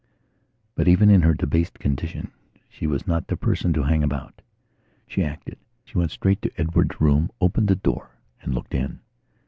But, even in her debased condition, she was not the person to hang about. She acted. She went straight to Edward's room, opened the door, and looked in.